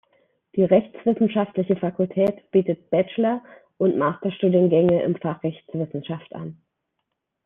Die Rechtswissenschaftliche Fakultät bietet Bachelor- und Masterstudiengänge im Fach Rechtswissenschaft an.